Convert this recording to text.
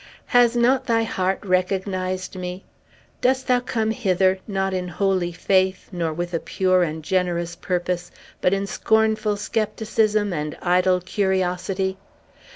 Has not thy heart recognized me? Dost thou come hither, not in holy faith, nor with a pure and generous purpose, but in scornful scepticism and idle curiosity?